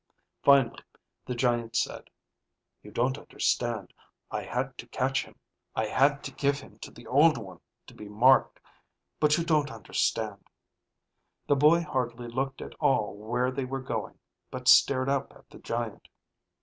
Finally the giant said, "You don't understand. I had to catch him. I had to give him to the old one to be marked. But you don't understand." The boy hardly looked at all where they were going, but stared up at the giant.